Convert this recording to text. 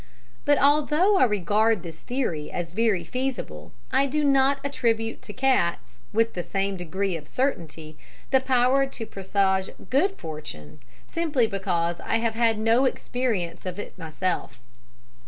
"But although I regard this theory as very feasible, I do not attribute to cats, with the same degree of certainty, the power to presage good fortune, simply because I have had no experience of it myself.